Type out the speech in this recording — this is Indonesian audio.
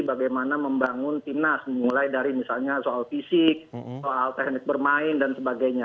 bagaimana membangun timnas mulai dari misalnya soal fisik soal teknik bermain dan sebagainya